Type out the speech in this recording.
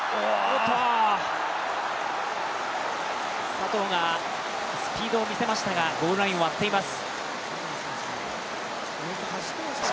佐藤がスピードを見せましたが、ラインを割っています。